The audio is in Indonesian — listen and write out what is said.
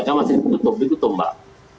kita masih menutup ditutup mbak